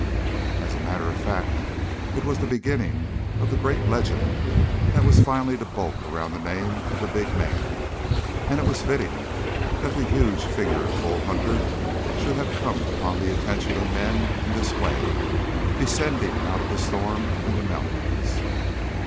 As a matter of fact it was the beginning of the great legend that was finally to bulk around the name of the big man. And it was fitting that the huge figure of Bull Hunter should have come upon the attention of men in this way, descending out of the storm and the mountains.